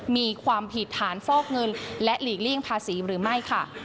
มีความผิดฐานฟอกเงินและหลีกเลี่ยงภาษีหรือไม่ค่ะ